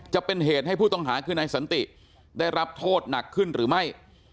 จะเป็นเหตุให้ผู้ต้องหาคือนายสันติได้รับโทษหนักขึ้นหรือไม่